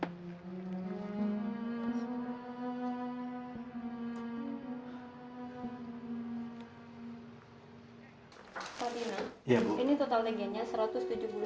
pak bima ini totalnya satu ratus tujuh puluh juta